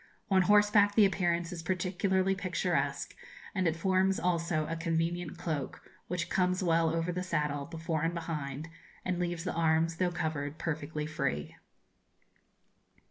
On horseback the appearance is particularly picturesque, and it forms also a convenient cloak, which comes well over the saddle, before and behind, and leaves the arms, though covered, perfectly free.